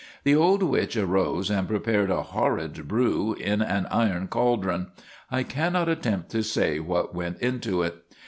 The old witch arose and prepared a horrid brew in an iron cauldron. I cannot attempt to say what went into it.